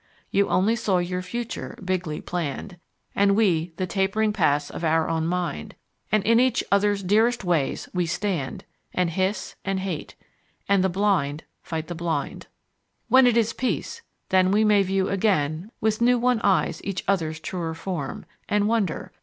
You only saw your future bigly planned, And we, the tapering paths of our own mind, And in each other's dearest ways we stand, And hiss and hate. And the blind fight the blind. When it is peace, then we may view again With new won eyes each other's truer form And wonder.